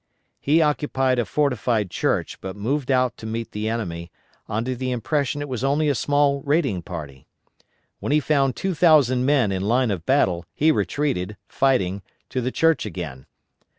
He occupied a fortified church, but moved out to meet the enemy, under the impression it was only a small raiding party. When he found two thousand men in line of battle he retreated, fighting, to the church again.